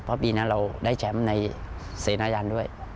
เพราะปีนั้นเราได้แชมป์ในเสนายันด้วย